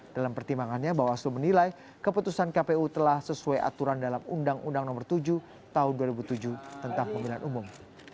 dalam pertimbangannya bawaslu menilai keputusan kpu telah sesuai aturan dalam undang undang nomor tujuh tahun dua ribu tujuh tentang pemilihan umum